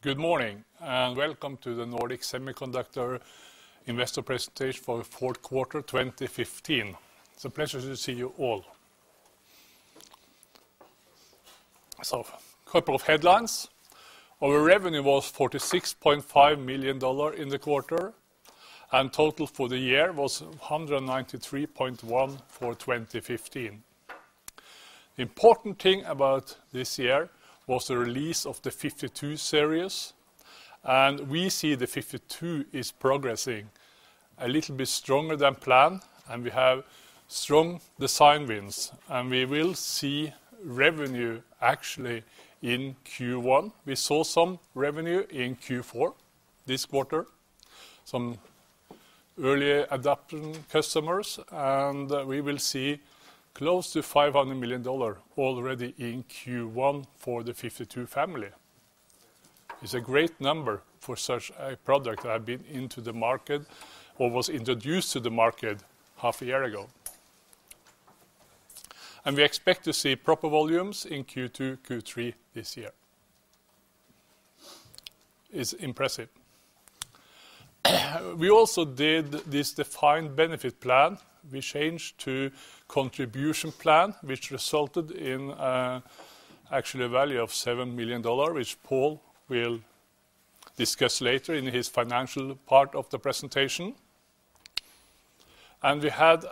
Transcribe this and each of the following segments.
Good morning, welcome to the Nordic Semiconductor investor presentation for the fourth quarter, 2015. It's a pleasure to see you all. Couple of headlines. Our revenue was $46.5 million in the quarter, and total for the year was $193.1 million for 2015. The important thing about this year was the release of the nRF52 Series, and we see the nRF52 is progressing a little bit stronger than planned, and we have strong design wins, and we will see revenue actually in Q1. We saw some revenue in Q4, this quarter, some early adoption customers, and we will see close to $500 million already in Q1 for the nRF52 family. It's a great number for such a product that have been into the market or was introduced to the market half a year ago. We expect to see proper volumes in Q2, Q3 this year. It's impressive. We also did this defined benefit plan. We changed to defined contribution plan, which resulted in actually a value of $7 million, which Pål will discuss later in his financial part of the presentation. We had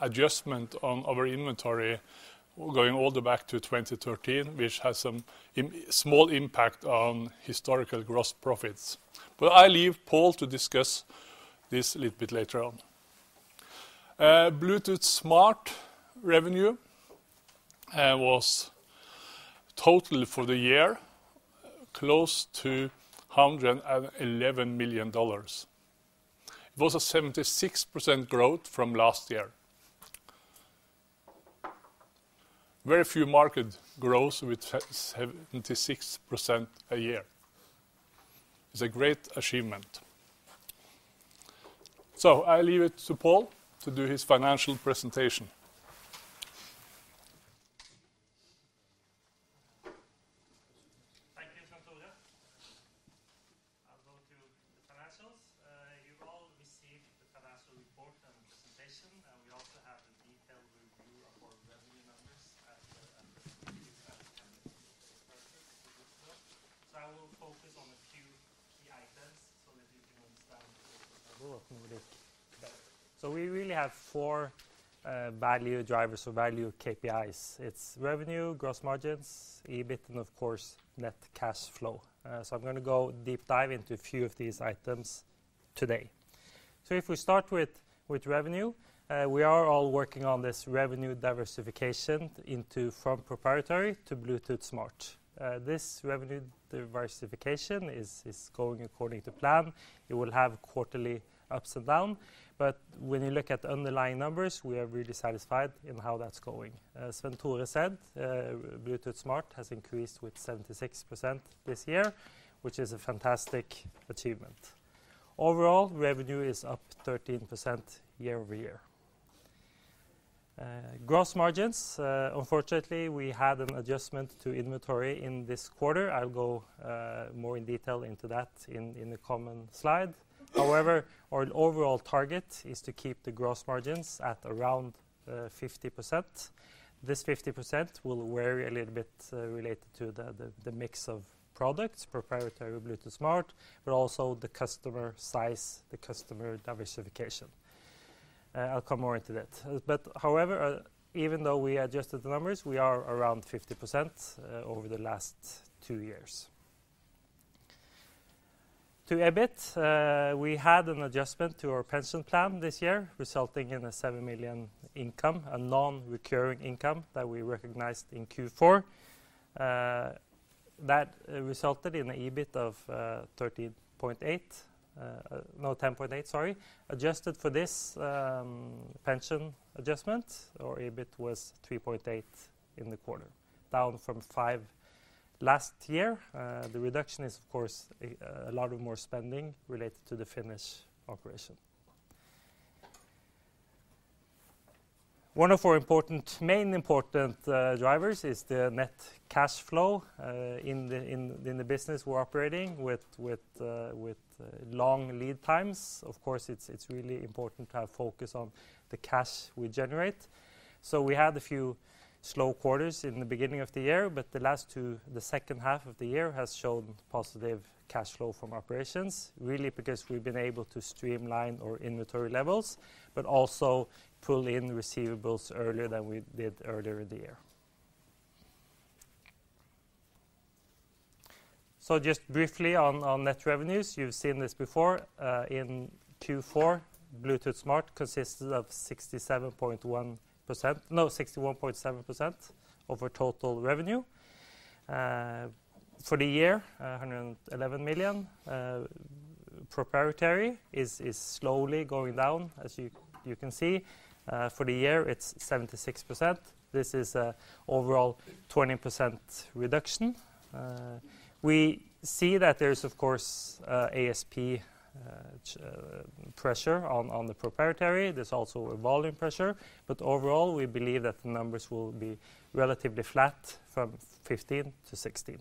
adjustment on our inventory going all the back to 2013, which has some small impact on historical gross profits. I leave Pål to discuss this a little bit later on. Bluetooth Smart revenue was totally for the year, close to $111 million. It was a 76% growth from last year. Very few market grows with 76% a year. It's a great achievement. I leave it to Pål to do his financial presentation. Thank you, Sven-Tore. I'll go to the financials. You've all received the financial report and presentation. We also have a detailed review of our revenue numbers. I will focus on a few key items, so that you can understand a little better. We really have four value drivers or value KPIs. It's revenue, gross margins, EBIT, and of course, net cash flow. I'm gonna go deep dive into a few of these items today. If we start with revenue, we are all working on this revenue diversification into from proprietary to Bluetooth Smart. This revenue diversification is going according to plan. It will have quarterly ups and down, when you look at underlying numbers, we are really satisfied in how that's going. As Sven-Tore said, Bluetooth Smart has increased with 76% this year, which is a fantastic achievement. Overall, revenue is up 13% year-over-year. Gross margins, unfortunately, we had an adjustment to inventory in this quarter. I'll go more in detail into that in the common slide. However, our overall target is to keep the gross margins at around 50%. This 50% will vary a little bit related to the mix of products, proprietary Bluetooth Smart, but also the customer size, the customer diversification. I'll come more into that. However, even though we adjusted the numbers, we are around 50% over the last two years. To EBIT, we had an adjustment to our pension plan this year, resulting in a $7 million income, a non-recurring income that we recognized in Q4. That resulted in a EBIT of 13.8, no, 10.8, sorry. Adjusted for this pension adjustment, our EBIT was 3.8 in the quarter, down from 5 last year. The reduction is, of course, a lot of more spending related to the Finnish operation. One of our important, main important drivers is the net cash flow in the business we're operating with long lead times. Of course, it's really important to have focus on the cash we generate. We had a few slow quarters in the beginning of the year, but the last two, the second half of the year has shown positive cash flow from operations, really because we've been able to streamline our inventory levels, but also pull in receivables earlier than we did earlier in the year. Just briefly on net revenues, you've seen this before. In Q4, Bluetooth Smart consisted of 61.7% of our total revenue. For the year, $111 million, proprietary is slowly going down, as you can see. For the year, it's 76%. This is a overall 20% reduction. We see that there's, of course, ASP pressure on the proprietary. Overall, we believe that the numbers will be relatively flat from 2015 to 2016.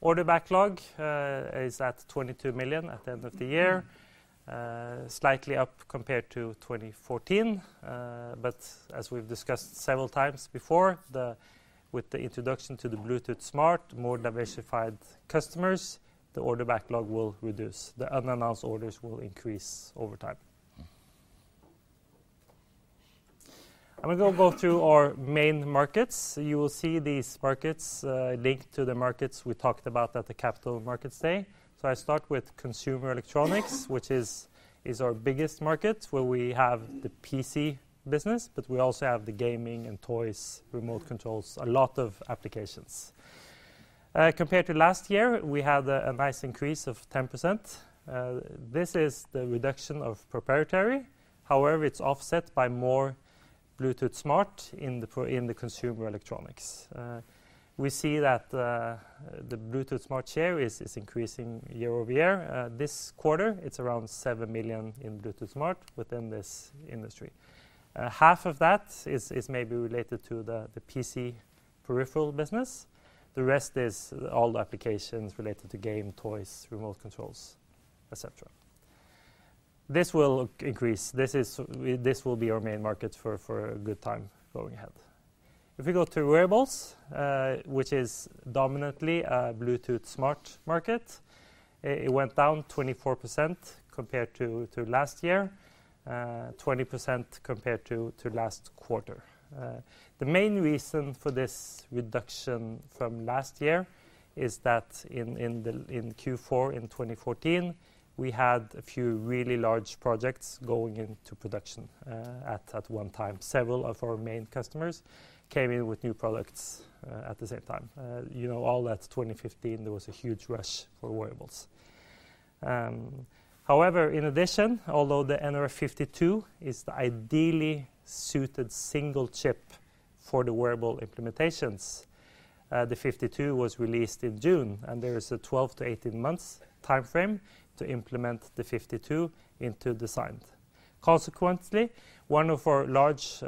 Order backlog is at $22 million at the end of the year, slightly up compared to 2014. As we've discussed several times before, with the introduction to the Bluetooth Smart, more diversified customers, the order backlog will reduce. The unannounced orders will increase over time. I'm gonna go through our main markets. You will see these markets linked to the markets we talked about at the Capital Markets Day. I start with consumer electronics, which is our biggest market, where we have the PC business, We also have the gaming and toys, remote controls, a lot of applications. Compared to last year, we had a nice increase of 10%. This is the reduction of proprietary. However, it's offset by more Bluetooth Smart in the consumer electronics. We see that the Bluetooth Smart share is increasing year-over-year. This quarter, it's around 7 million in Bluetooth Smart within this industry. Half of that is maybe related to the PC peripheral business. The rest is all the applications related to game, toys, remote controls, et cetera. This will increase. This will be our main market for a good time going ahead. If we go to wearables, which is dominantly a Bluetooth Smart market, it went down 24% compared to last year, 20% compared to last quarter. The main reason for this reduction from last year is that in Q4, in 2014, we had a few really large projects going into production, at one time. Several of our main customers came in with new products, at the same time. You know, all that 2015, there was a huge rush for wearables. In addition, although the nRF52 is the ideally suited single chip for the wearable implementations, the 52 was released in June, and there is a 12-18 months timeframe to implement the 52 into design. Consequently, one of our large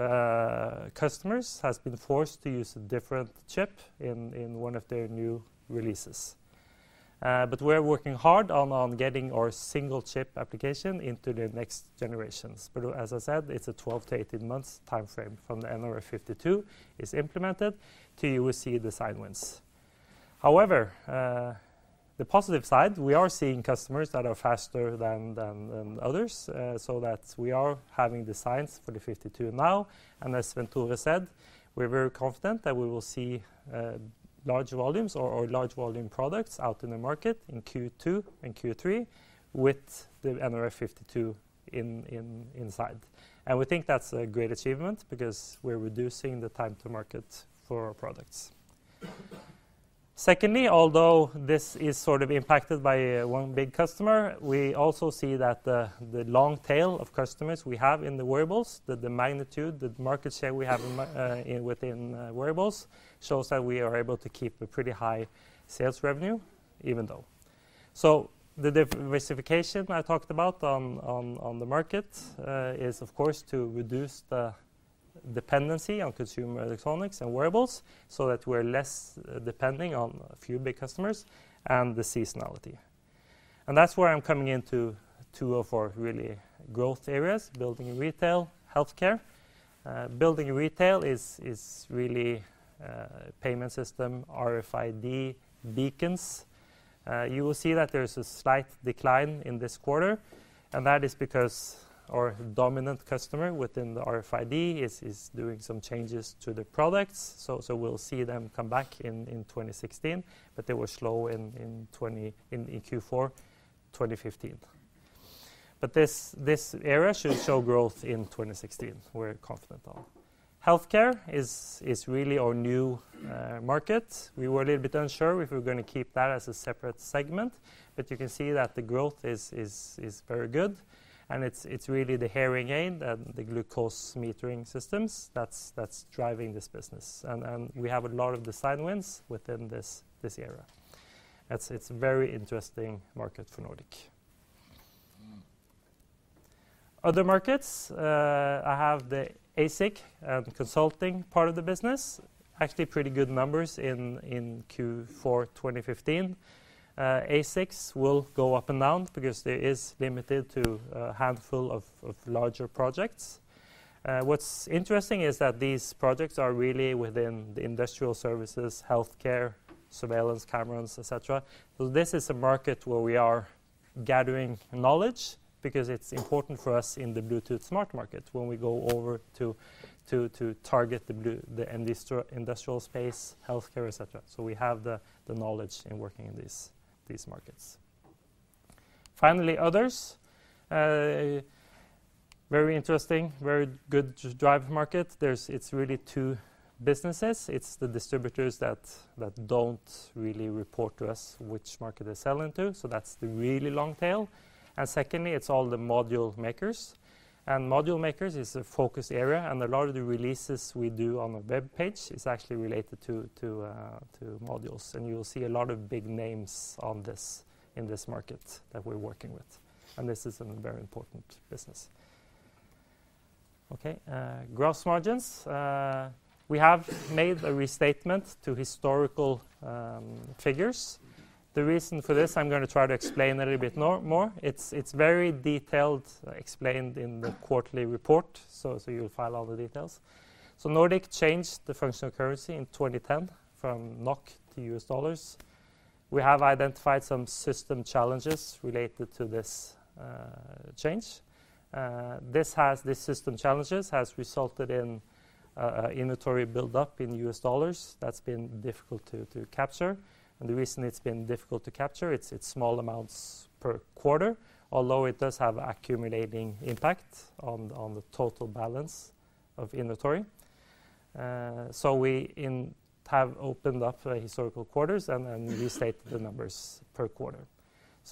customers has been forced to use a different chip in one of their new releases. We're working hard on getting our single chip application into the next generations. As I said, it's a 12-18 months timeframe from the nRF52 is implemented till you will see the sign wins. However, the positive side, we are seeing customers that are faster than others, so that we are having the signs for the nRF52 now. As Svenn-Tore said, we're very confident that we will see large volumes or large volume products out in the market in Q2 and Q3 with the nRF52 inside. We think that's a great achievement because we're reducing the time to market for our products. Secondly, although this is sort of impacted by, one big customer, we also see that the long tail of customers we have in the wearables, the magnitude, the market share we have within wearables, shows that we are able to keep a pretty high sales revenue, even though. The diversification I talked about on the market, is of course, to reduce the dependency on consumer electronics and wearables, so that we're less depending on a few big customers and the seasonality. That's where I'm coming into two of our really growth areas, building and retail, healthcare. Building and retail is really payment system, RFID, beacons. You will see that there is a slight decline in this quarter, and that is because our dominant customer within the RFID is doing some changes to the products. We'll see them come back in 2016, but they were slow in Q4 2015. This area should show growth in 2016. We're confident of. Healthcare is really our new market. We were a little bit unsure if we were gonna keep that as a separate segment, but you can see that the growth is very good, and it's really the hearing aid and the glucose metering systems that's driving this business. We have a lot of the sign wins within this area. It's a very interesting market for Nordic. Other markets, I have the ASIC and consulting part of the business. Actually, pretty good numbers in Q4 2015. ASICs will go up and down because there is limited to a handful of larger projects. What's interesting is that these projects are really within the industrial services, healthcare, surveillance, cameras, et cetera. This is a market where we are gathering knowledge because it's important for us in the Bluetooth Smart market when we go over to target the industrial space, healthcare, et cetera. We have the knowledge in working in these markets. Finally, others. Very interesting, very good drive market. It's really two businesses. It's the distributors that don't really report to us which market they're selling to, so that's the really long tail. Secondly, it's all the module makers. Module makers is a focus area, and a lot of the releases we do on the web page is actually related to modules. You will see a lot of big names on this, in this market that we're working with, and this is a very important business. Gross margins. We have made a restatement to historical figures. The reason for this, I'm going to try to explain a little bit more. It's very detailed, explained in the quarterly report, so you'll find all the details. Nordic changed the functional currency in 2010 from NOK to US dollars. We have identified some system challenges related to this change. This has, the system challenges, has resulted in inventory build-up in US dollars that's been difficult to capture. The reason it's small amounts per quarter, although it does have accumulating impact on the total balance of inventory. We have opened up the historical quarters and restated the numbers per quarter.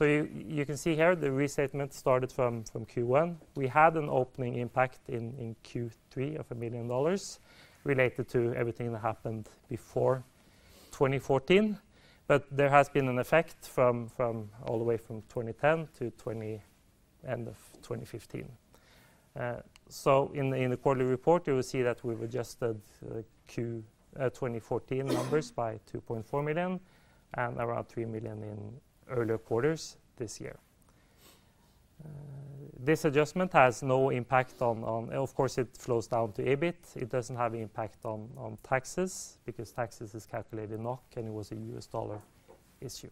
You can see here, the restatement started from Q1. We had an opening impact in Q3 of $1 million related to everything that happened before 2014, but there has been an effect from all the way from 2010 to end of 2015. In the quarterly report, you will see that we've adjusted the Q 2014 numbers by $2.4 million and around $3 million in earlier quarters this year. This adjustment has no impact on... Of course, it flows down to EBIT. It doesn't have impact on taxes, because taxes is calculated NOK, and it was a US dollar issue.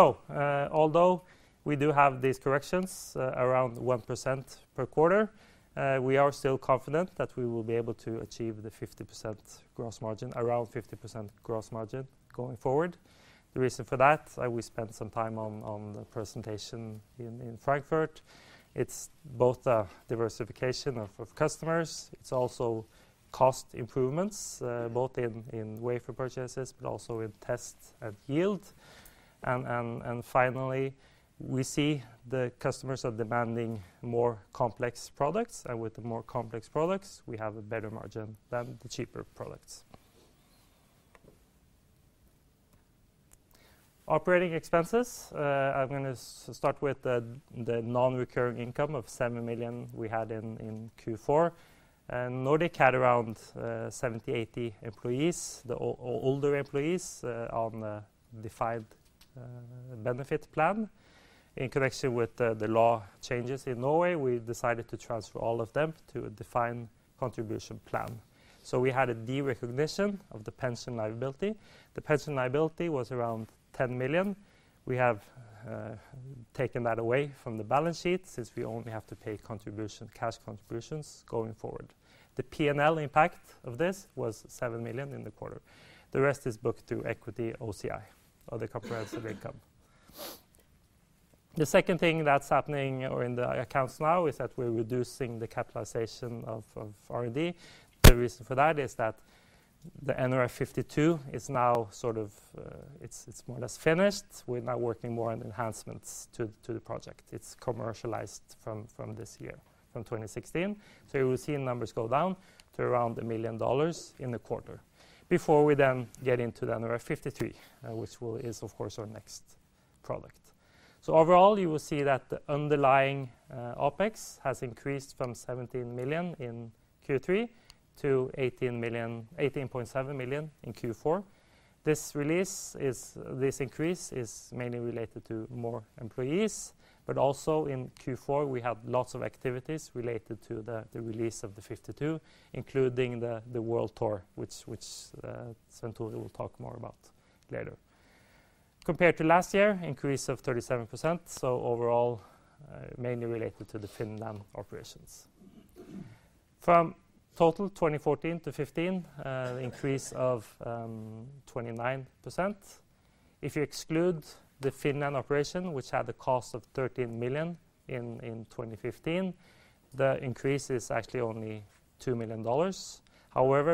Although we do have these corrections, around 1% per quarter, we are still confident that we will be able to achieve the 50% gross margin, around 50% gross margin going forward. The reason for that, we spent some time on the presentation in Frankfurt. It's both a diversification of customers. It's also cost improvements, both in wafer purchases, but also in test and yield. Finally, we see the customers are demanding more complex products, and with the more complex products, we have a better margin than the cheaper products. Operating expenses, I'm going to start with the non-recurring income of $7 million we had in Q4. Nordic had around 70, 80 employees, the older employees, on a defined benefit plan. In connection with the law changes in Norway, we decided to transfer all of them to a defined contribution plan. We had a derecognition of the pension liability. The pension liability was around $10 million. We have taken that away from the balance sheet, since we only have to pay cash contributions going forward. The P&L impact of this was $7 million in the quarter. The rest is booked to equity OCI, other comprehensive income. The second thing that's happening or in the accounts now is that we're reducing the capitalization of R&D. The reason for that is that the nRF52 is now sort of, it's more or less finished. We're now working more on enhancements to the project. It's commercialized from this year, from 2016. You will see the numbers go down to around $1 million in the quarter before we then get into the nRF53, which is of course, our next product. Overall, you will see that the underlying OpEx has increased from $17 million in Q3 to $18 million, $18.7 million in Q4. This increase is mainly related to more employees, but also in Q4, we have lots of activities related to the release of the 52, including the Global Tech Tour, which Svenn-Tore will talk more about later. Compared to last year, increase of 37%, overall, mainly related to the Finland operations. From total 2014 to 2015, increase of 29%. If you exclude the Finland operation, which had the cost of $13 million in 2015, the increase is actually only $2 million.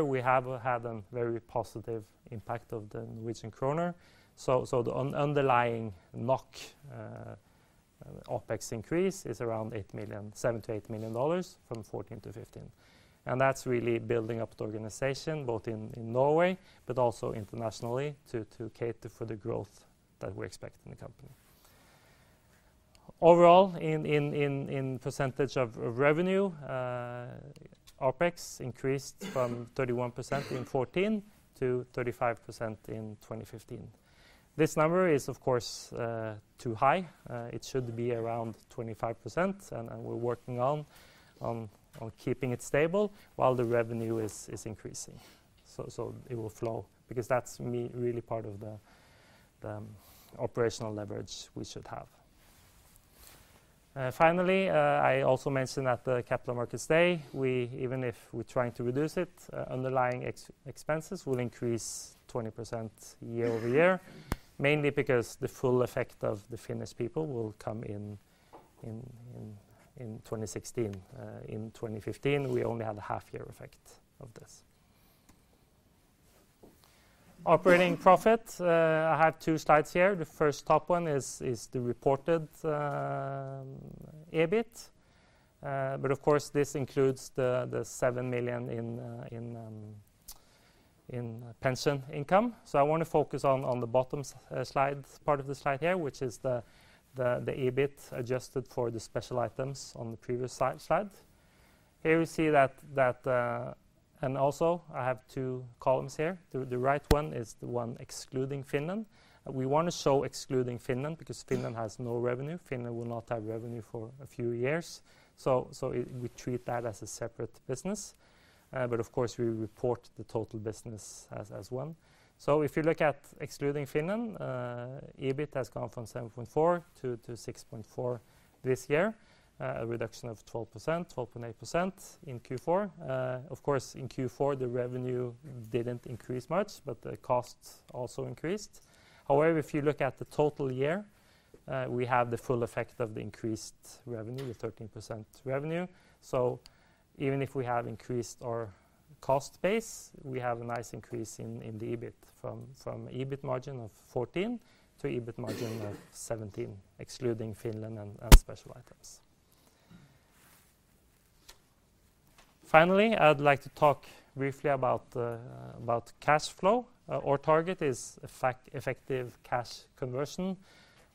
We have had a very positive impact of the Norwegian kroner. The underlying NOK OpEx increase is around $8 million, $7 million to $8 million from 2014 to 2015. That's really building up the organization, both in Norway, but also internationally, to cater for the growth that we expect in the company. Overall, in percentage of revenue, OpEx increased from 31% in 2014 to 35% in 2015. This number is, of course, too high. It should be around 25%, and we're working on keeping it stable while the revenue is increasing. It will flow, because that's really part of the operational leverage we should have. Finally, I also mentioned at the Capital Markets Day, even if we're trying to reduce it, underlying expenses will increase 20% year-over-year, mainly because the full effect of the Finnish people will come in 2016. In 2015, we only had a half-year effect of this. Operating profit, I have two slides here. The first top one is the reported EBIT, but of course, this includes the $7 million in pension income. I wanna focus on the bottom part of the slide here, which is the EBIT adjusted for the special items on the previous slide. Here, we see I have two columns here. The right one is the one excluding Finland. We wanna show excluding Finland, because Finland has no revenue. Finland will not have revenue for a few years, we treat that as a separate business, of course, we report the total business as one. If you look at excluding Finland, EBIT has gone from 7.4 to 6.4 this year, a reduction of 12%, 12.8% in Q4. Of course, in Q4, the revenue didn't increase much, the costs also increased. However, if you look at the total year, we have the full effect of the increased revenue, the 13% revenue. Even if we have increased our cost base, we have a nice increase in the EBIT from EBIT margin of 14% to 17%, excluding Finland and special items. Finally, I'd like to talk briefly about cash flow. Our target is effective cash conversion.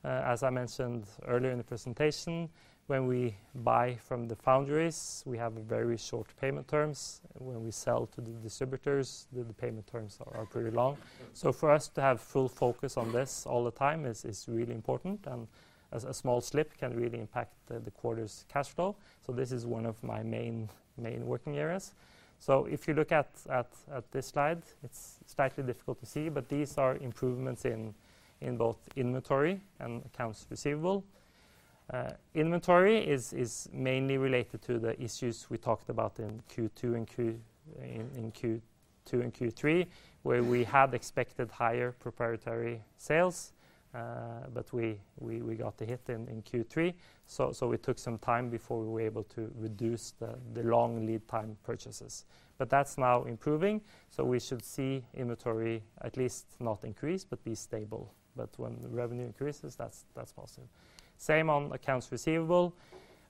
As I mentioned earlier in the presentation, when we buy from the foundries, we have very short payment terms. When we sell to the distributors, the payment terms are pretty long. For us to have full focus on this all the time is really important, and as a small slip can really impact the quarter's cash flow, so this is one of my main working areas. If you look at this slide, it's slightly difficult to see, but these are improvements in both inventory and accounts receivable. Inventory is mainly related to the issues we talked about in Q2 and Q3, where we had expected higher proprietary sales, but we got the hit in Q3. It took some time before we were able to reduce the long lead time purchases. That's now improving, so we should see inventory at least not increase, but be stable. When the revenue increases, that's possible. Same on accounts receivable.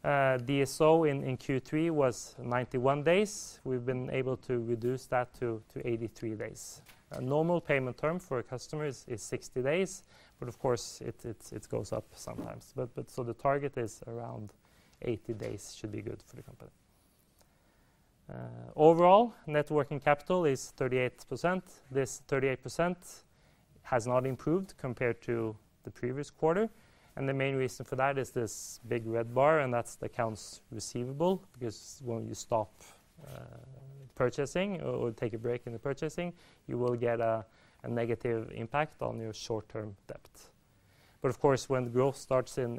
DSO in Q3 was 91 days. We've been able to reduce that to 83 days. A normal payment term for a customer is 60 days, but of course, it goes up sometimes. So the target is around 80 days should be good for the company. Overall, net working capital is 38%. This 38% has not improved compared to the previous quarter, and the main reason for that is this big red bar, and that's the accounts receivable, because when you stop purchasing or take a break in the purchasing, you will get a negative impact on your short-term debt. Of course, when the growth starts in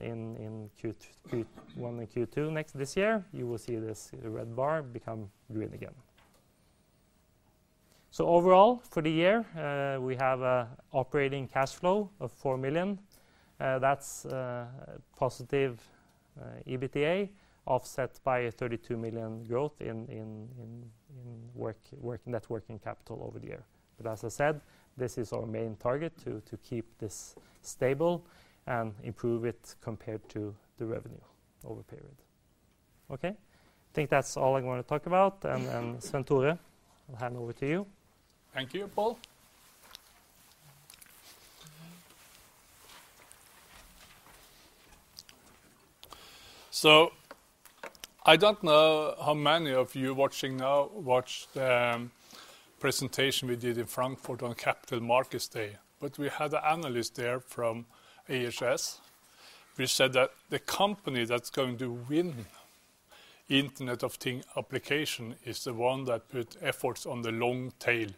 Q1 and Q2 next this year, you will see this red bar become green again. Overall, for the year, we have a operating cash flow of $4 million. That's positive EBITDA, offset by a $32 million growth in net working capital over the year. As I said, this is our main target, to keep this stable and improve it compared to the revenue over the period. Okay? I think that's all I'm gonna talk about, and Svenn-Tore, I'll hand over to you. Thank you, Pål. I don't know how many of you watching now watched the presentation we did in Frankfurt on Capital Markets Day, but we had an analyst there from IHS, which said that the company that's going to win Internet of Things application is the one that put efforts on the long tail.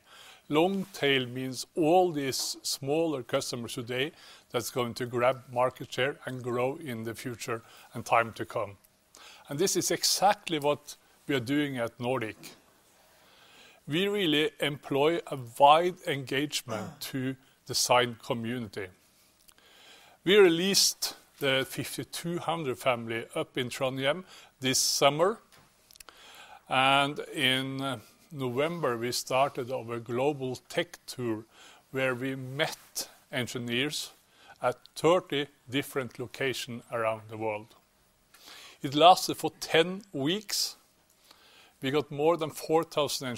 Long tail means all these smaller customers today that's going to grab market share and grow in the future and time to come, and this is exactly what we are doing at Nordic. We really employ a wide engagement to the sign community. We released the 5200 family up in Trondheim this summer, and in November, we started our Global Tech Tour, where we met engineers at 30 different locations around the world. It lasted for 10 weeks. We got more than 4,000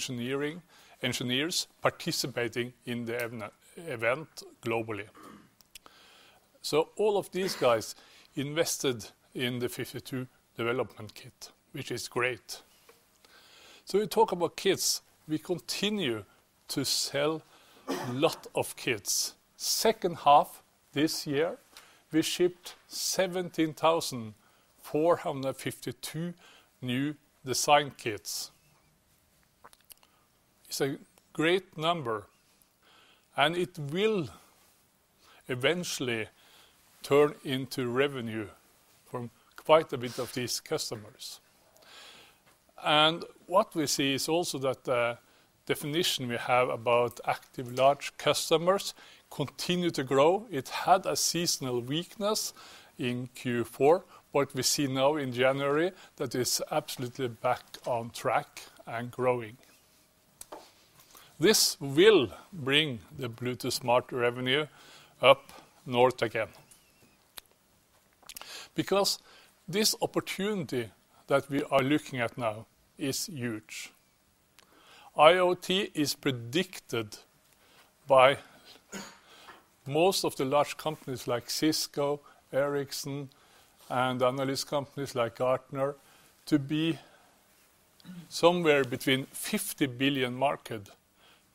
engineers participating in the event globally. All of these guys invested in the nRF52 development kit, which is great. We talk about kits. We continue to sell lot of kits. Second half this year, we shipped 17,452 new design kits. It's a great number, and it will eventually turn into revenue from quite a bit of these customers. What we see is also that definition we have about active large customers continue to grow. It had a seasonal weakness in Q4. What we see now in January, that is absolutely back on track and growing. This will bring the Bluetooth Smart revenue up north again. This opportunity that we are looking at now is huge. IoT is predicted by most of the large companies like Cisco Systems, Ericsson, and analyst companies like Gartner, to be somewhere between $50 billion market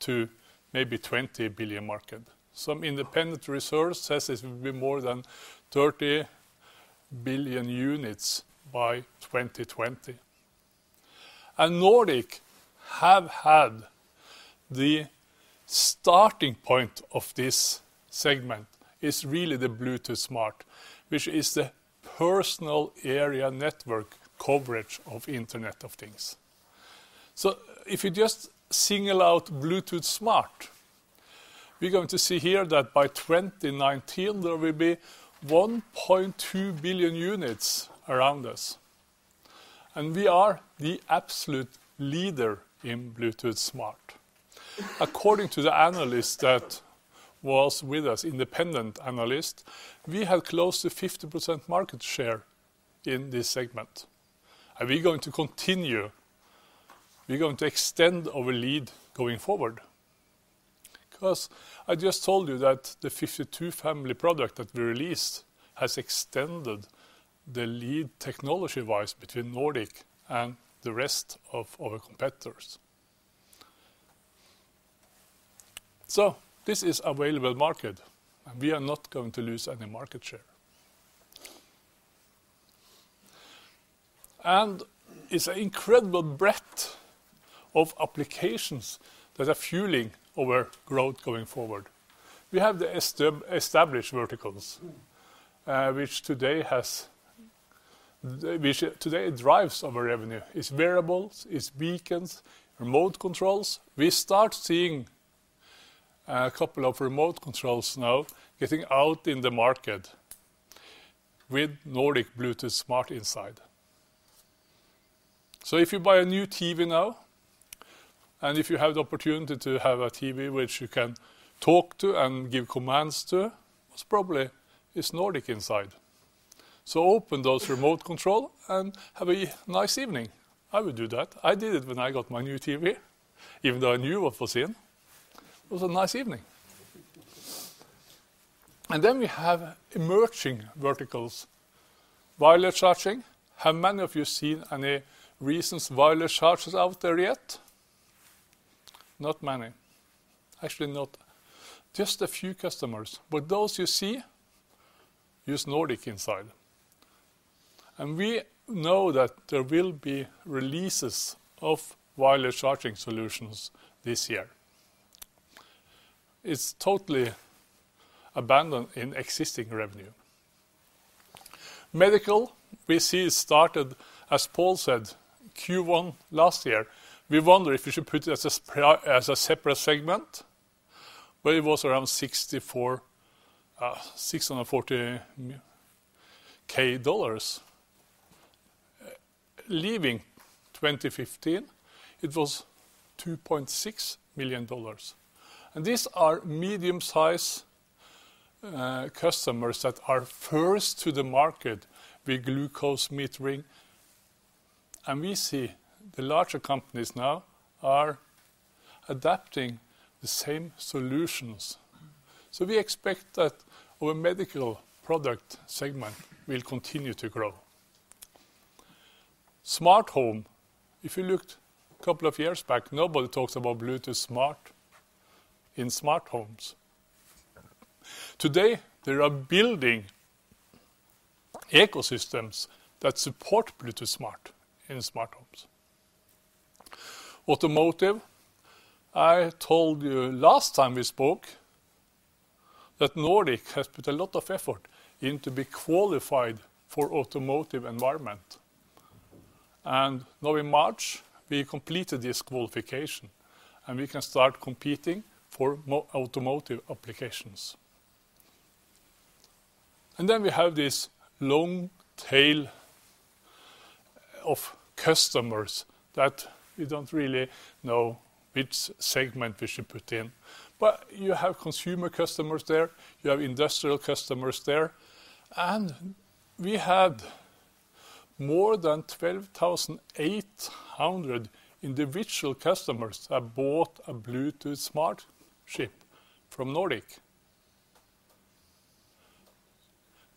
to maybe $20 billion market. Some independent research says it will be more than 30 billion units by 2020. Nordic have had the starting point of this segment, is really the Bluetooth Smart, which is the personal area network coverage of Internet of Things. If you just single out Bluetooth Smart, we're going to see here that by 2019, there will be 1.2 billion units around us, and we are the absolute leader in Bluetooth Smart. According to the analyst that was with us, independent analyst, we have close to 50% market share in this segment. We're going to continue, we're going to extend our lead going forward. Because I just told you that the nRF52 family product that we released has extended the lead technology-wise between Nordic and the rest of our competitors. This is available market, and we are not going to lose any market share. It's an incredible breadth of applications that are fueling our growth going forward. We have the established verticals, which today drives our revenue. It's wearables, it's beacons, remote controls. We start seeing a couple of remote controls now getting out in the market with Nordic Bluetooth Smart inside. If you buy a new TV now, and if you have the opportunity to have a TV which you can talk to and give commands to, it's probably, it's Nordic inside. Open those remote control and have a nice evening. I would do that. I did it when I got my new TV, even though I knew what was in. It was a nice evening. We have emerging verticals. Wireless charging. How many of you seen any recent wireless chargers out there yet? Not many. Actually, just a few customers, but those you see use Nordic inside. We know that there will be releases of wireless charging solutions this year. It's totally abandoned in existing revenue. Medical, we see it started, as Pål said, Q1 last year. We wonder if we should put it as a separate segment, but it was around $640 K. Leaving 2015, it was $2.6 million. These are medium-size customers that are first to the market with glucose metering, and we see the larger companies now are adapting the same solutions. We expect that our medical product segment will continue to grow. Smart home. If you looked a couple of years back, nobody talks about Bluetooth Smart in smart homes. Today, they are building ecosystems that support Bluetooth Smart in smart homes. Automotive, I told you last time we spoke that Nordic has put a lot of effort in to be qualified for automotive environment, and now in March, we completed this qualification, and we can start competing for automotive applications. Then we have this long tail of customers that we don't really know which segment we should put in. You have consumer customers there, you have industrial customers there, and we had more than 12,800 individual customers that bought a Bluetooth Smart chip from Nordic.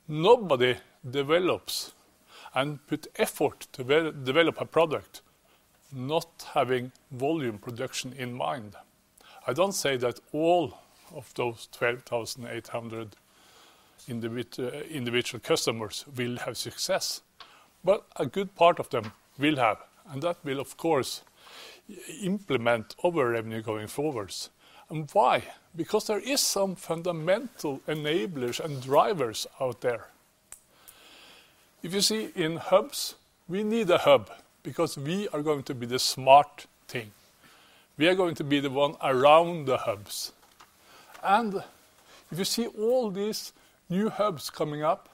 Nobody develops and put effort to develop a product not having volume production in mind. I don't say that all of those 12,800 individual customers will have success, but a good part of them will have, and that will, of course, implement our revenue going forwards. Why? Because there is some fundamental enablers and drivers out there. If you see in hubs, we need a hub because we are going to be the smart thing. We are going to be the one around the hubs. If you see all these new hubs coming up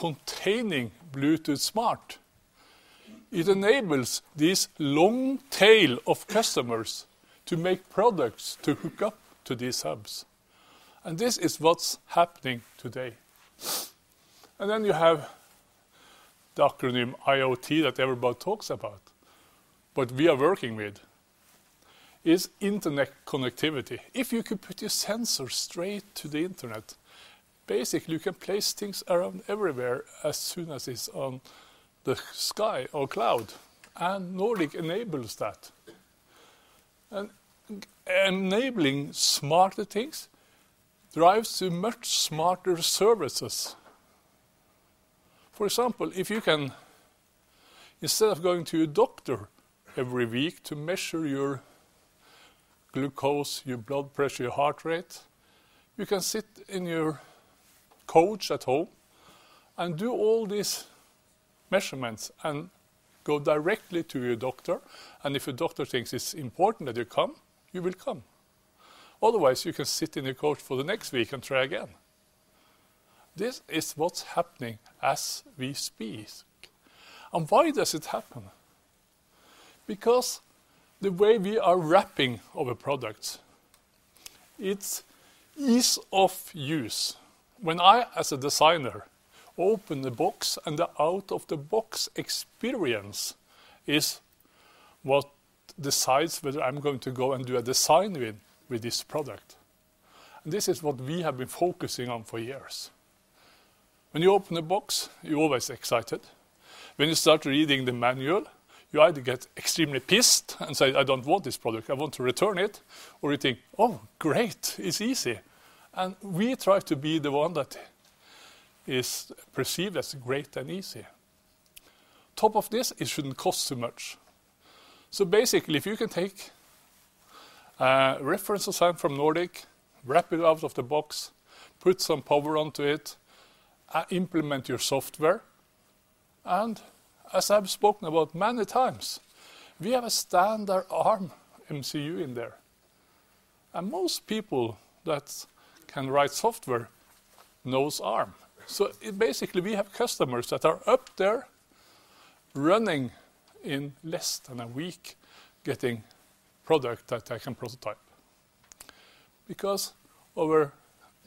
containing Bluetooth Smart. It enables this long tail of customers to make products to hook up to these hubs, and this is what's happening today. Then you have the acronym IoT that everybody talks about. What we are working with is internet connectivity. If you could put your sensor straight to the Internet, basically, you can place things around everywhere as soon as it's on the sky or cloud. Nordic enables that. Enabling smarter things drives to much smarter services. For example, if you can, instead of going to your doctor every week to measure your glucose, your blood pressure, your heart rate, you can sit in your couch at home and do all these measurements and go directly to your doctor, and if your doctor thinks it's important that you come, you will come. Otherwise, you can sit in your couch for the next week and try again. This is what's happening as we speak. Why does it happen? Because the way we are wrapping our products, it's ease of use. When I, as a designer, open the box, and the out-of-the-box experience is what decides whether I'm going to go and do a design win with this product. This is what we have been focusing on for years. When you open a box, you're always excited. When you start reading the manual, you either get extremely pissed and say, "I don't want this product. I want to return it," or you think, "Oh, great! It's easy." We try to be the one that is perceived as great and easy. Top of this, it shouldn't cost too much. Basically, if you can take reference design from Nordic, wrap it out of the box, put some power onto it, implement your software, and as I've spoken about many times, we have a standard Arm MCU in there, and most people that can write software knows Arm. It basically, we have customers that are up there, running in less than one week, getting product that I can prototype. Because our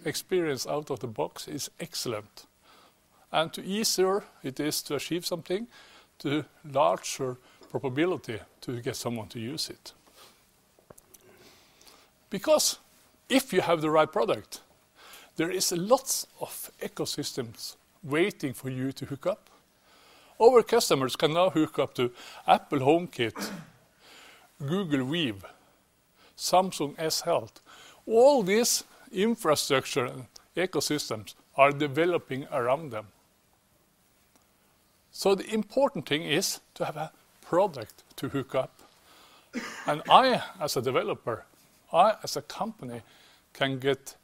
experience out of the box is excellent, and the easier it is to achieve something, the larger probability to get someone to use it. Because if you have the right product, there is lots of ecosystems waiting for you to hook up. Our customers can now hook up to Apple HomeKit, Google Weave, Samsung Health. All this infrastructure and ecosystems are developing around them. The important thing is to have a product to hook up. I, as a developer, I, as a company, can get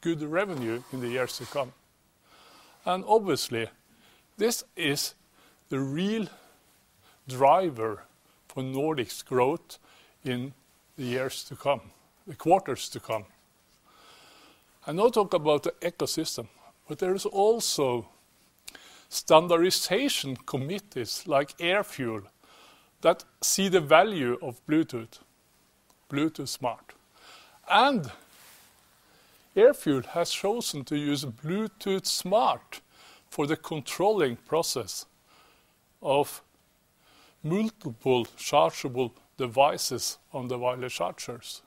good revenue in the years to come. Obviously, this is the real driver for Nordic's growth in the years to come, the quarters to come. I now talk about the ecosystem, but there is also standardization committees like AirFuel, that see the value of Bluetooth Smart. AirFuel has chosen to use Bluetooth Smart for the controlling process of multiple chargeable devices on the wireless chargers.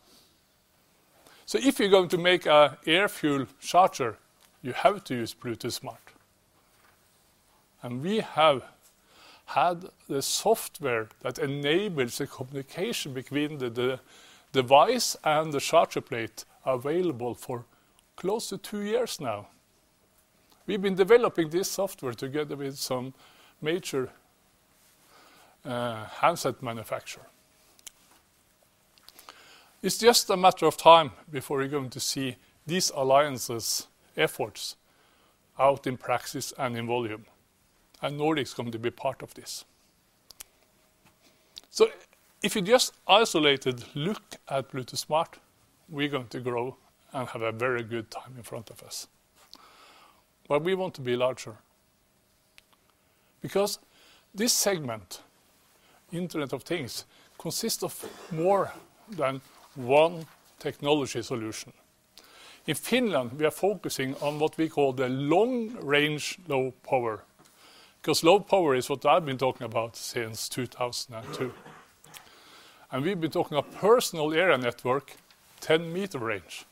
If you're going to make a AirFuel charger, you have to use Bluetooth Smart. We have had the software that enables the communication between the device and the charger plate available for close to two years now. We've been developing this software together with some major handset manufacturer. It's just a matter of time before we're going to see these alliances' efforts out in practice and in volume, and Nordic is going to be part of this. If you just isolated, look at Bluetooth Smart, we're going to grow and have a very good time in front of us. We want to be larger. Because this segment, Internet of Things, consists of more than one technology solution. In Finland, we are focusing on what we call the long-range, low power, 'cause low power is what I've been talking about since 2002. We've been talking about personal area network, 10-meter range.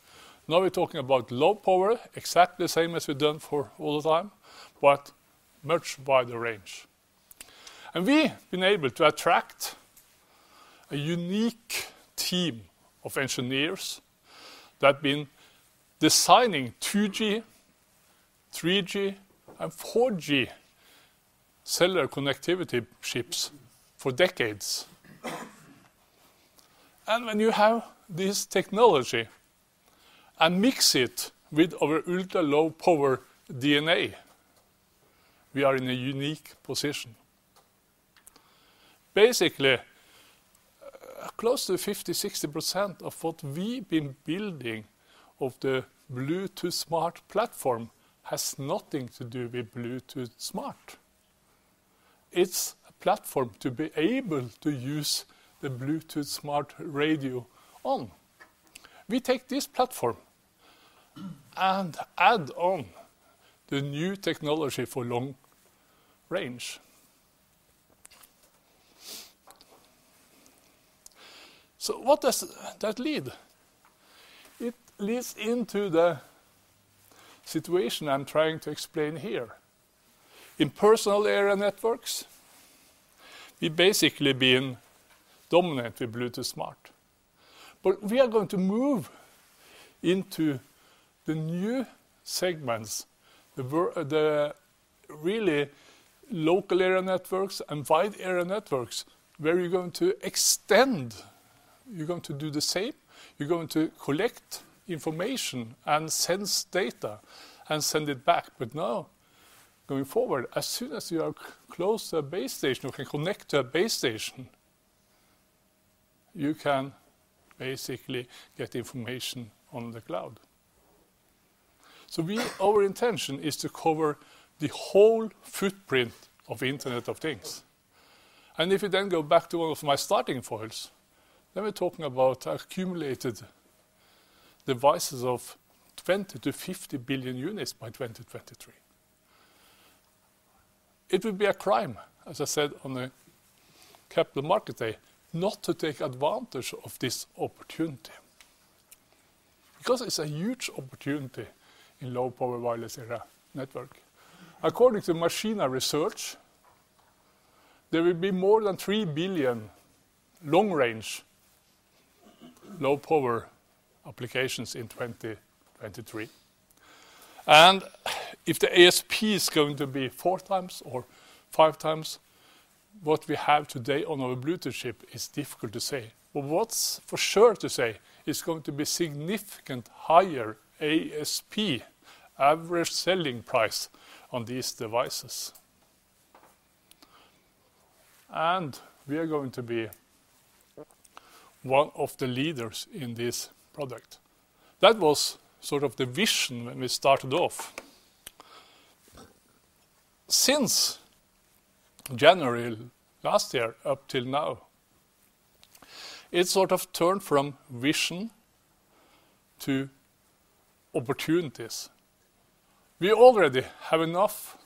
Now we're talking about low power, exactly the same as we've done for all the time, but much wider range. We've been able to attract a unique team of engineers that have been designing 2G, 3G, and 4G cellular connectivity chips for decades. When you have this technology and mix it with our ultra-low-power DNA, we are in a unique position. Close to 50%, 60% of what we've been building of the Bluetooth Smart platform has nothing to do with Bluetooth Smart. It's a platform to be able to use the Bluetooth Smart radio on. We take this platform and add on the new technology for long range. What does that lead? It leads into the situation I'm trying to explain here. In personal area networks, we've basically been dominant with Bluetooth Smart, but we are going to move into the new segments, the really local area networks and wide area networks, where you're going to extend, you're going to do the same. You're going to collect information and sense data and send it back. Now, going forward, as soon as you are close to a base station, you can connect to a base station, you can basically get information on the cloud. We, our intention is to cover the whole footprint of Internet of Things. If you then go back to one of my starting foils, then we're talking about accumulated devices of 20 to 50 billion units by 2023. It would be a crime, as I said, on the Capital Markets Day, not to take advantage of this opportunity, because it's a huge opportunity in low-power wireless area network. According to Machina Research, there will be more than 3 billion long-range, low-power applications in 2023. If the ASP is going to be 4 times or 5 times what we have today on our Bluetooth chip, it's difficult to say. But what's for sure to say, it's going to be significant higher ASP, average selling price, on these devices. We are going to be one of the leaders in this product. That was sort of the vision when we started off. Since January last year, up till now, it sort of turned from vision to opportunities. We already have enough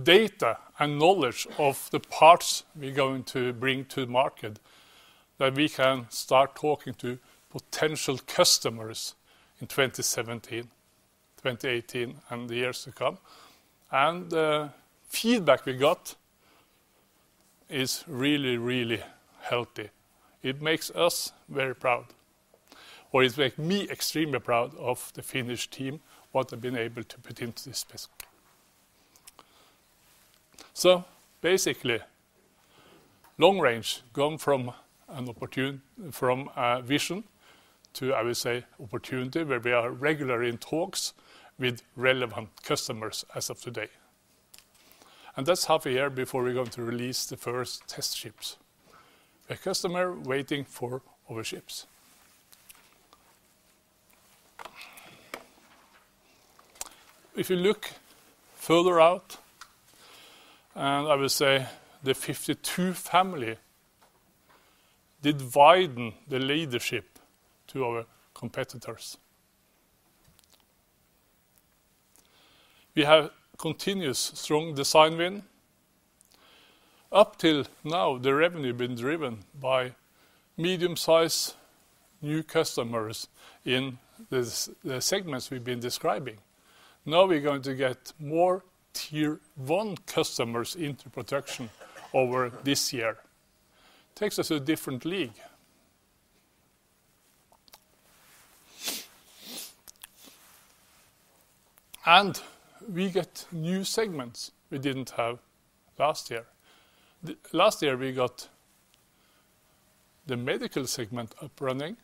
data and knowledge of the parts we're going to bring to the market, that we can start talking to potential customers in 2017, 2018, and the years to come. The feedback we got is really, really healthy. It makes us very proud, or it makes me extremely proud of the Finnish team, what they've been able to put into this space. Basically, long range, gone from a vision to, I would say, opportunity, where we are regularly in talks with relevant customers as of today. That's half a year before we're going to release the first test chips. A customer waiting for our chips. If you look further out, I will say the nRF52 family did widen the leadership to our competitors. We have continuous strong design win. Up till now, the revenue been driven by medium-size new customers in the segments we've been describing. We're going to get more Tier 1 customers into production over this year. Takes us to a different league. We get new segments we didn't have last year. Last year, we got the medical segment up running.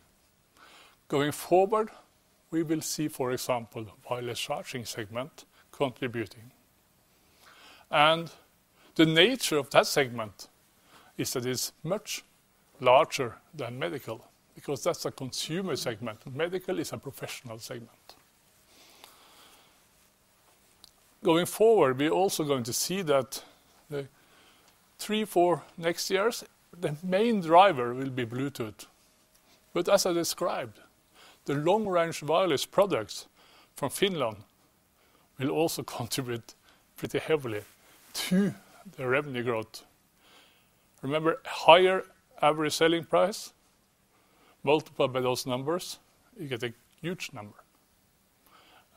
Going forward, we will see, for example, wireless charging segment contributing. The nature of that segment is that it's much larger than medical because that's a consumer segment. Medical is a professional segment. Going forward, we're also going to see that the three, four next years, the main driver will be Bluetooth. As I described, the long-range wireless products from Finland will also contribute pretty heavily to the revenue growth. Remember, higher average selling price, multiplied by those numbers, you get a huge number.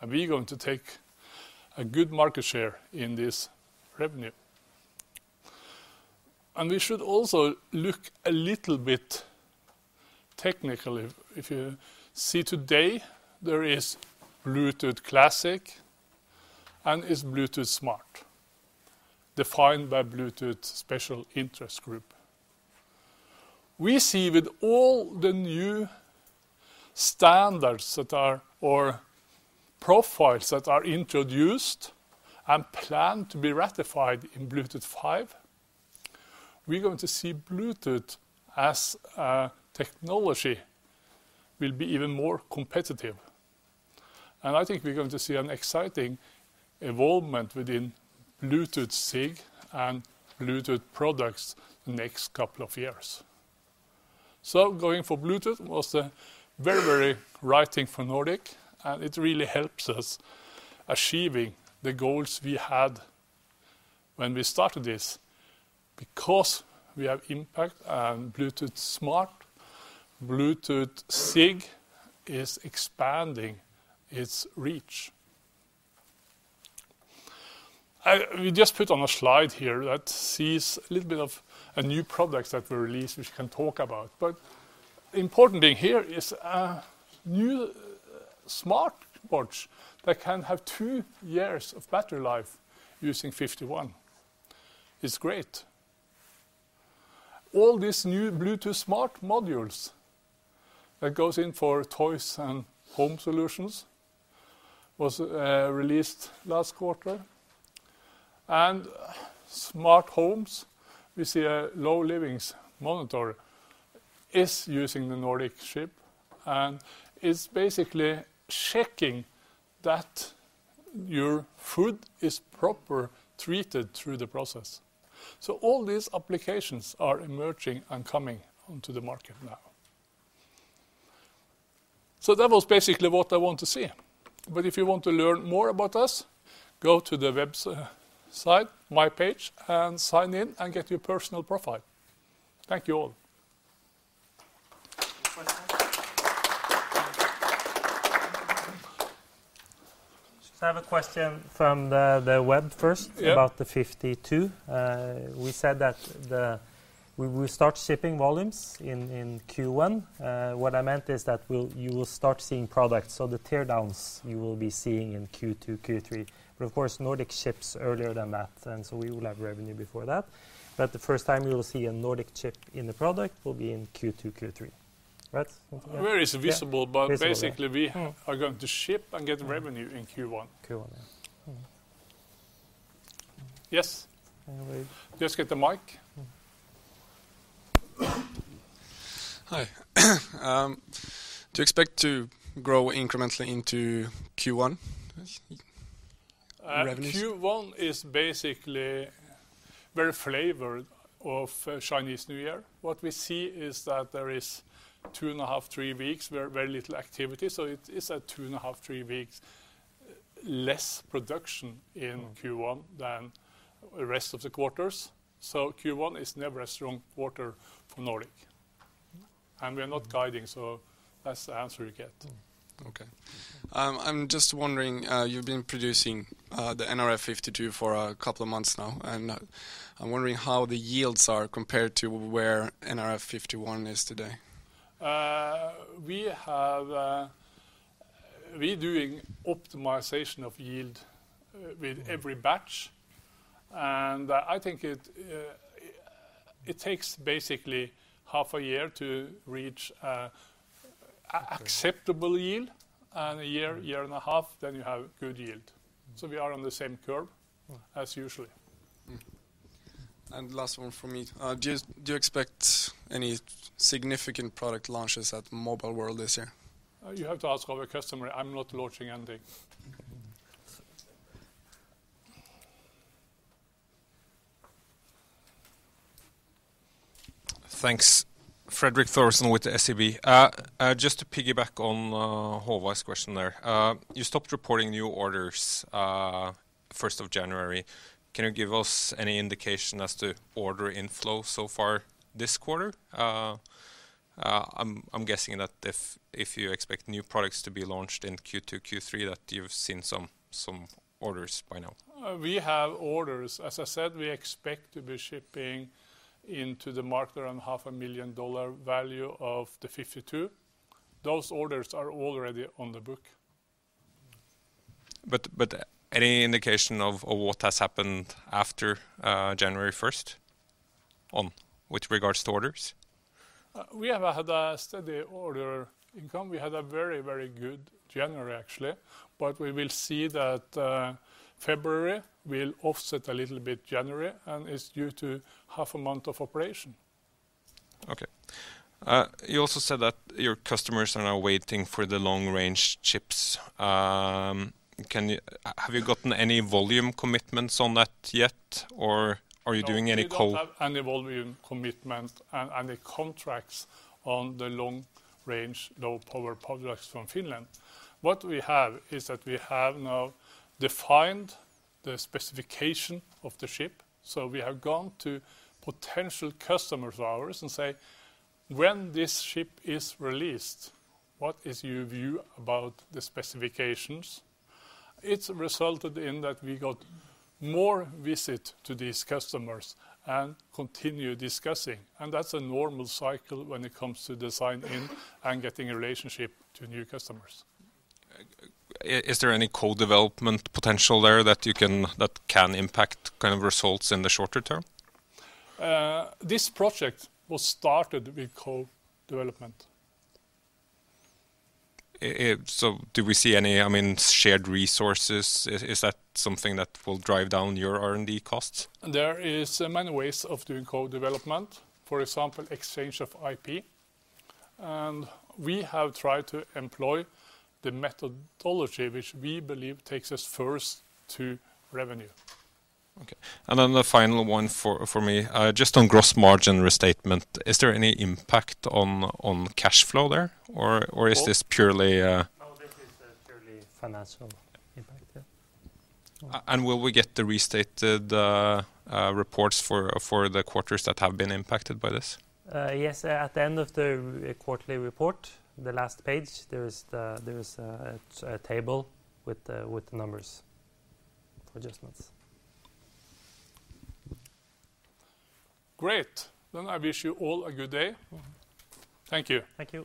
We're going to take a good market share in this revenue. We should also look a little bit technically. If you see today, there is Bluetooth Classic and is Bluetooth Smart, defined by Bluetooth Special Interest Group. We see with all the new standards that are, or profiles that are introduced and planned to be ratified in Bluetooth 5, we're going to see Bluetooth as a technology will be even more competitive. I think we're going to see an exciting involvement within Bluetooth SIG and Bluetooth products the next couple of years. Going for Bluetooth was a very, very right thing for Nordic, and it really helps us achieving the goals we had when we started this. We have impact and Bluetooth Smart, Bluetooth SIG is expanding its reach. We just put on a slide here that sees a little bit of a new products that we released, which we can talk about. Importantly here is a new smart watch that can have two years of battery life using nRF51. It's great. All these new Bluetooth Smart modules that goes in for toys and home solutions, was released last quarter. Smart homes, we see a Livox monitor is using the Nordic chip, and it's basically checking that your food is proper treated through the process. All these applications are emerging and coming onto the market now. That was basically what I want to say. If you want to learn more about us, go to the website, my page, and sign in and get your personal profile. Thank you all. I have a question from the web first. Yeah... about the nRF52. We said that we will start shipping volumes in Q1. What I meant is that you will start seeing products, so the tear downs you will be seeing in Q2, Q3. Of course, Nordic ships earlier than that. So we will have revenue before that. The first time you will see a Nordic chip in the product will be in Q2, Q3, right? Very visible- Yeah, visible... basically, we are going to ship and get revenue in Q1. Q1, yeah. Mm-hmm. Yes. Uh, we- Just get the mic. Hi, do you expect to grow incrementally into Q1, yes, revenues? Q1 is basically very flavored of, Chinese New Year. What we see is that there is 2.5, 3 weeks, where very little activity. It is a 2.5, 3 weeks less production in Q1. Mm... than the rest of the quarters. Q1 is never a strong quarter for Nordic. Mm. We are not guiding, so that's the answer you get. Okay. I'm just wondering, you've been producing the nRF52 for a couple of months now, and I'm wondering how the yields are compared to where nRF51 is today. We doing optimization of yield. Mm... with every batch, and I think it takes basically half a year to reach a. Okay acceptable yield, and a year and a half, then you have good yield. Mm. We are on the same curve. Mm... as usually. Last one from me: Do you expect any significant product launches at Mobile World this year? You have to ask our customer. I'm not launching anything. Thanks. Fredrik Thorsø with the SEB. Just to piggyback on Håvard question there. You stopped reporting new orders, 1st of January. Can you give us any indication as to order inflow so far this quarter? I'm guessing that if you expect new products to be launched in Q2, Q3, that you've seen some orders by now. We have orders. As I said, we expect to be shipping into the market around half a million dollar value of the nRF52. Those orders are already on the book. Any indication of what has happened after January first on with regards to orders? We have had a steady order income. We had a very, very good January, actually. We will see that February will offset a little bit January. It's due to half a month of operation. Okay. You also said that your customers are now waiting for the long-range chips. Can you... have you gotten any volume commitments on that yet, or are you doing any? No, we don't have any volume commitment and the contracts on the long-range, low-power products from Finland. What we have is that we have now defined the specification of the chip, so we have gone to potential customers of ours and say, "When this chip is released, what is your view about the specifications?" It's resulted in that we got more visit to these customers and continue discussing, and that's a normal cycle when it comes to designing and getting a relationship to new customers. Is there any co-development potential there that can impact kind of results in the shorter term? This project was started with co-development. Do we see any, I mean, shared resources? Is that something that will drive down your R&D costs? There is many ways of doing co-development, for example, exchange of IP, and we have tried to employ the methodology which we believe takes us first to revenue. Okay. Then the final one for me, just on gross margin restatement, is there any impact on cash flow there, or- Oh- or is this purely? No, this is a purely financial impact, yeah. Will we get the restated reports for the quarters that have been impacted by this? Yes, at the end of the quarterly report, the last page, there is a table with the numbers adjustments. Great! I wish you all a good day. Mm-hmm. Thank you. Thank you.